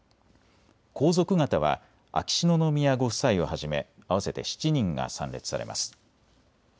皇族方は秋篠宮ご夫妻をはじめ合わせて７人が参列されます。